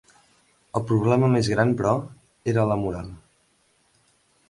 El problema més gran però, era la moral.